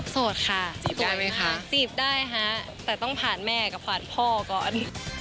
โสดค่ะจีบได้ไหมคะจีบได้ฮะแต่ต้องผ่านแม่กับผ่านพ่อก่อน